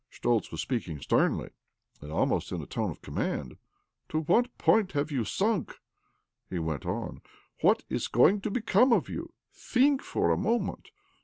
Schtoltz was speaking sternly, and almost in a tone of comimand. " To what point have you sunk?" he went on. "What is going to become of you? Think for a moment.